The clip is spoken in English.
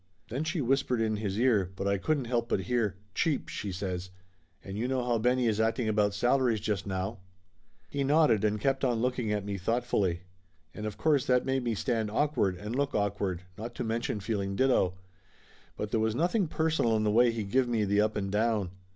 Then she whis pered in his ear, but I couldn't help but hear. "Cheap !" she says. "And you know how Benny is acting about salaries just now !" He nodded and kept on looking at me thoughtfully. And of course that made me stand awkward and look awkward, not to mention feeling ditto. But there was nothing personal in the way he give me the up and down.